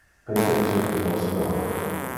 Peter es un impostor.